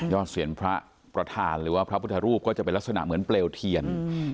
เสียงพระประธานหรือว่าพระพุทธรูปก็จะเป็นลักษณะเหมือนเปลวเทียน